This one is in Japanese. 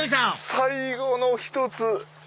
最後の１つ！